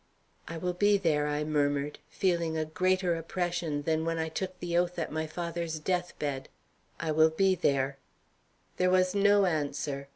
"I will be there," I murmured, feeling a greater oppression than when I took the oath at my father's death bed. "I will be there." There was no answer.